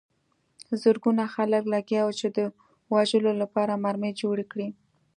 زرګونه خلک لګیا وو چې د وژلو لپاره مرمۍ جوړې کړي